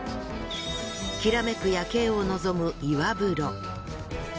きらめく夜景を望む岩風呂。